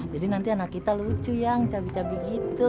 jadi nanti anak kita lucu yang cabi cabi gitu